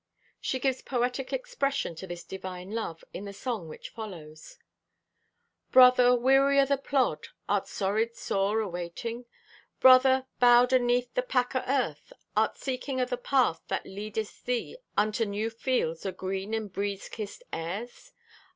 She gives poetic expression to this divine love in the song which follows: Brother, weary o' the plod, Art sorried sore o' waiting? Brother, bowed aneath the pack o' Earth, Art seeking o' the path That leadest thee unto new fields O' green, and breeze kissed airs?